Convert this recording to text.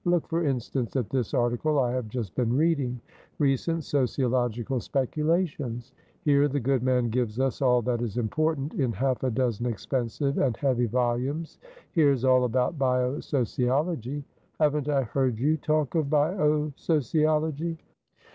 Look, for instance, at this article I have just been reading'Recent Sociological Speculations.' Here the good man gives us all that is important in half a dozen expensive and heavy volumes. Here's all about bio sociology. Haven't I heard you talk of bio sociology?"